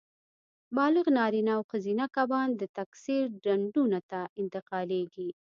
بالغ نارینه او ښځینه کبان د تکثیر ډنډونو ته انتقالېږي.